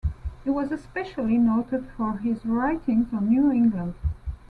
He was especially noted for his writings on New England.